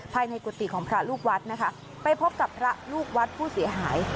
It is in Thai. กุฏิของพระลูกวัดนะคะไปพบกับพระลูกวัดผู้เสียหาย